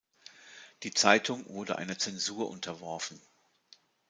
Die Zeitung wurde einer Zensur unterworfen.